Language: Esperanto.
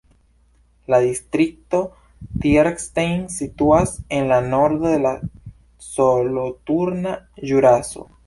La distrikto Thierstein situas en la nordo de la Soloturna Ĵuraso.